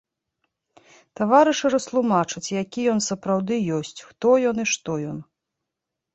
Таварышы растлумачаць, які ён сапраўды ёсць, хто ён і што ён.